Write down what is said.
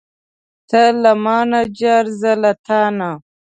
ته له مانه جار، زه له تانه.